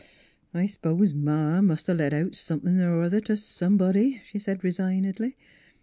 " I s'pose Ma must 'a 1 let out somethin' er other t' somebody," she said resignedly.